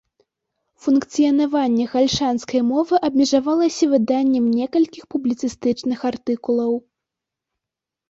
Функцыянаванне гальшанскай мовы абмежавалася выданнем некалькіх публіцыстычных артыкулаў.